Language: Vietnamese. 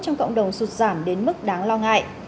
trong cộng đồng sụt giảm đến mức đáng lo ngại